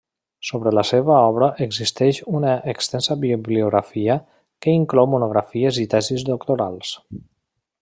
Sobre la seva obra existeix una extensa bibliografia que inclou monografies i tesis doctorals.